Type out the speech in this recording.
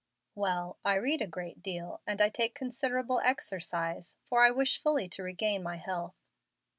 "Well, I read a great deal, and I take considerable exercise, for I wish fully to regain my health."